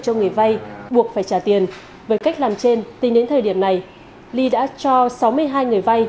cho người vay buộc phải trả tiền với cách làm trên tính đến thời điểm này ly đã cho sáu mươi hai người vay